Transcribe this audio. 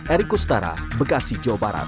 eri kustara bekasi jawa barat